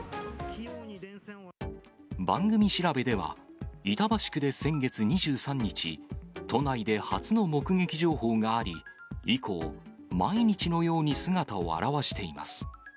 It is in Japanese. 番組調べでは、板橋区で先月２３日、都内で初の目撃情報があり、以降、毎日のように姿を現しています。